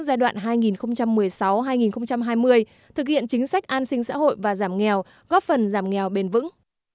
giai đoạn hai nghìn một mươi sáu hai nghìn hai mươi thực hiện chính sách an sinh xã hội và giảm nghèo góp phần giảm nghèo bền vững